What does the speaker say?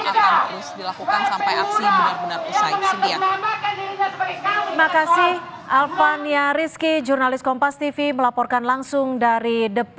akan terus dilakukan sampai aksi benar benar usai sedia